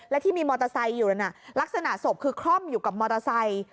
และที่มีมอเตอร์ไซค์อยู่นั้นลักษณะศพคือคล่อมอยู่กับมอเตอร์ไซค์